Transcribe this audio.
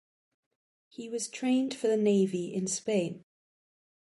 He was trained for the navy in Spain.